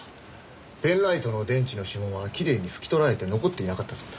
ペンライトの電池の指紋はきれいに拭き取られて残っていなかったそうだ。